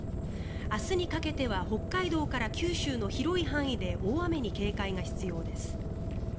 明日にかけては北海道から九州の広い範囲で大雨に警戒が必要です。